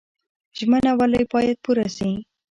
ژمنه ولې باید پوره شي؟